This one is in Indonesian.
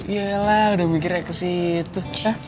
yaelah udah mikirnya kesitu